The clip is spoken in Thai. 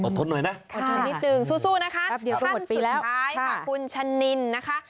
อดทนหน่อยนะค่ะสู้นะคะขั้นสุดสุดท้ายกับคุณชะนินนะคะ